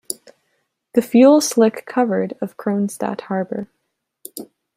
The fuel slick covered of Kronstadt harbor.